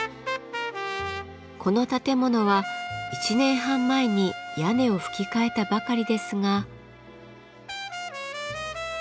この建物は１年半前に屋根をふき替えたばかりですが。